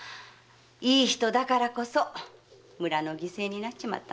いい人だからこそ村の犠牲になっちまって。